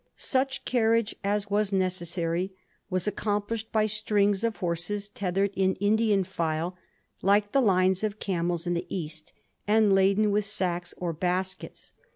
Such carriage as was necessary was accomplished by strings of horses tethered in Indian file, like the lines of camels in the East, and laden with sacks or baskets.